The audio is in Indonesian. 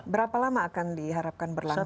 berapa lama akan diharapkan berlangsung